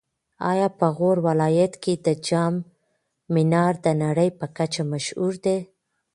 ایا په غور ولایت کې د جام منار د نړۍ په کچه مشهور دی؟